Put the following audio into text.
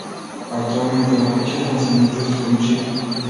Actualmente la fecha de lanzamiento es desconocida.